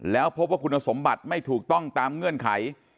แล้วพบว่าคุณสมบัติไม่ถูกต้องตามเงื่อนไข